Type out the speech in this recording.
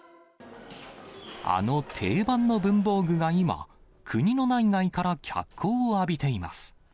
あの定番の文房具が今、国の内外から脚光を浴びています。